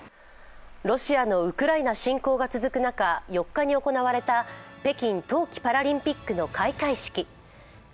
ロシアのウクライナ侵攻が続く中４日に行われた北京冬季パラリンピックの開会式。